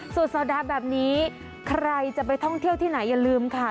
สุดสัปดาห์แบบนี้ใครจะไปท่องเที่ยวที่ไหนอย่าลืมค่ะ